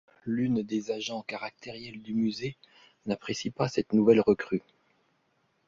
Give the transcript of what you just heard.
Sybille, l'une des agents caractérielle du musée, n'apprécie pas cette nouvelle recrue.